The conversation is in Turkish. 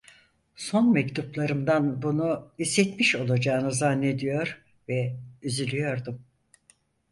Son mektuplarımdan bunu, hissetmiş olacağını zannediyor ve üzülüyordum.